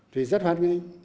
thì rất hoan nghênh